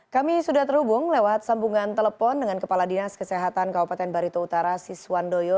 kami sudah terhubung lewat sambungan telepon dengan kepala dinas kesehatan kabupaten barito utara siswandoyo